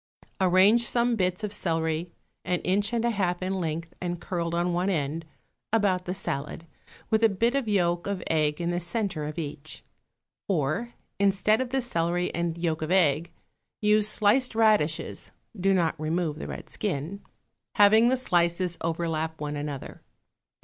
Arrange some bits of celery, an inch and a half in length and curled on one end, about the salad, with a bit of yolk of egg in the centre of each. Or, instead of the celery and yolk of egg, use sliced radishes (do not remove the red skin), having the slices overlap one another.